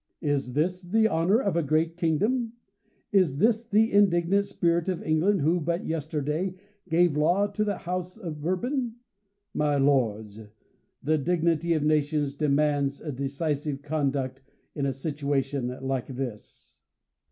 Is this the honor of a great kingdom ? Is this the indignant spirit of England, who, but yesterday, gave law to the house of Bour bon ? My lords, the dignity of nations demands a deci sive conduct in a situation like this.